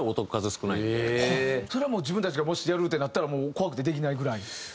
それはもう自分たちがもしやるってなったらもう怖くてできないぐらい？